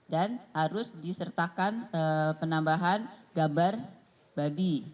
dan harus disertakan penambahan gambar babi